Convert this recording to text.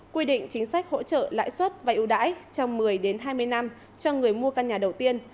quy định chính sách hỗ trợ lãi suất và ưu đãi trong một mươi hai mươi năm cho người mua căn nhà đầu tiên